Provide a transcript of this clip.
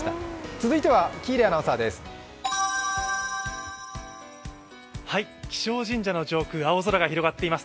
続いては喜入アナウンサーです。